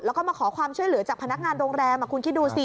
แล้วก็มาขอความช่วยเหลือจากพนักงานโรงแรมคุณคิดดูสิ